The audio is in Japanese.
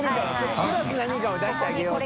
修譽廛薀何かを出してあげようと。